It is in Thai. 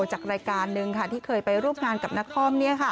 จากรายการหนึ่งที่เคยไปร่วมงานกับนคร